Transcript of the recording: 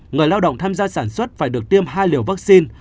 người lao động tham gia sản xuất phải được tiêm hai liều vaccine